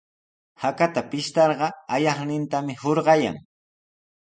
Hakata pishtarqa ayaqnintami hurqayan.